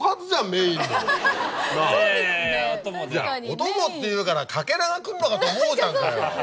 お供っていうからかけらがくるのかと思うじゃんかよ。